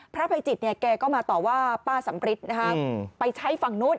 พระภัยจิตแกก็มาต่อว่าป้าสำกริจไปใช้ฝั่งนู้น